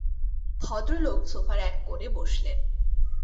ভদ্রলোক সোফার এক কোণে বসলেন।